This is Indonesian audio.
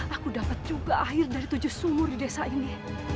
aku dapat juga air dari tujuh sumur di desa ini